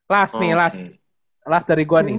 last nih last dari gua nih